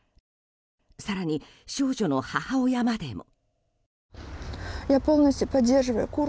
更に、少女の母親までも。